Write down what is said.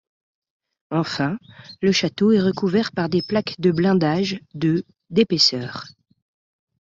Enfin, le château est recouvert par des plaques de blindage de d'épaisseur.